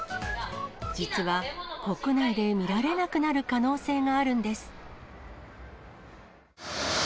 実は、国内で見られなくなる可能性があるんです。